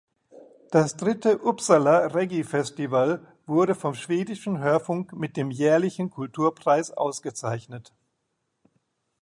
Das dritte Uppsala Reggae Festival wurde vom Schwedischen Hörfunk mit dem jährlichen Kulturpreis ausgezeichnet.